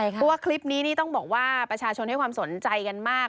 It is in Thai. เพราะว่าคลิปนี้นี่ต้องบอกว่าประชาชนให้ความสนใจกันมาก